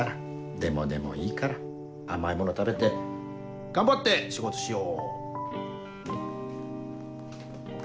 でもでもいいから甘いもの食べて頑張って仕事しよう！